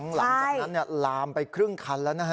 หลังจากนั้นลามไปครึ่งคันแล้วนะฮะ